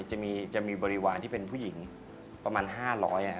จะมีบริวารที่เป็นผู้หญิงประมาณ๕๐๐